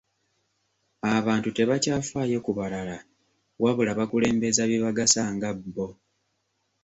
Abantu tebakyafaayo ku balala wabula bakulembeza bibagasa nga bbo.